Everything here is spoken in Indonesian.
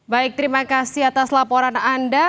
baik terima kasih atas laporan anda